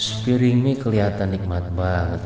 spirin mie kelihatan nikmat banget